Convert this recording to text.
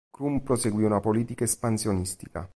Krum perseguì una politica espansionistica.